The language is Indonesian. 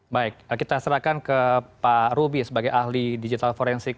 baik kita serahkan ke pak ruby sebagai ahli digital forensik